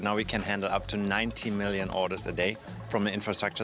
sekarang kita bisa mengurangi sembilan puluh juta pesanan sehari dari sisi infrastruktur